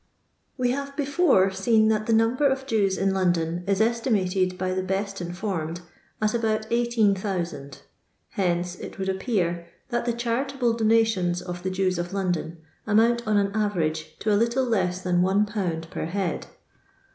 We have before seen that the number of Jews in London is estimated by the best informed at about 18,000 ; hence it would appear that the charitable donations of the Jews of London amount on an average to a little less than 1/. per head.